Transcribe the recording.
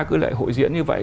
cứ lại hội diễn như vậy